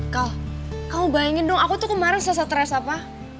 kau kamu bayangin dong aku tuh kemarin selesai stress apa